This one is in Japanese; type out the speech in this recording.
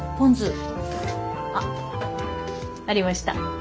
あっありました。